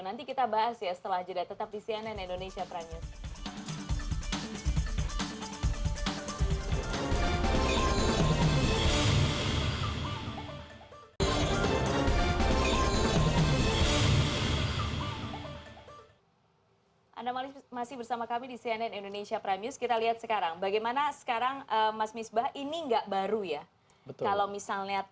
nanti kita bahas ya setelah jeda tetap di cnn indonesia prime news